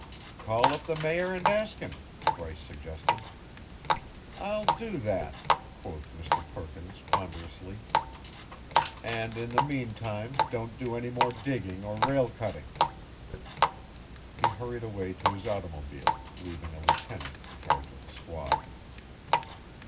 "Call up the mayor and ask him," Bryce suggested. "I'll do that," quoth Mr. Perkins ponderously. "And in the meantime, don't do any more digging or rail cutting." He hurried away to his automobile, leaving a lieutenant in charge of the squad.